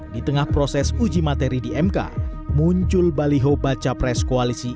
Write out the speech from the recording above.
di tengah proses uji materi di mk muncul baliho baca pres koalisi